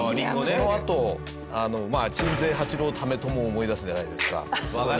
そのあと鎮西八郎為朝を思い出すじゃないですか。